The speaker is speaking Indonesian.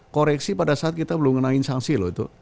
koreksi pada saat kita belum kenain sanksi loh itu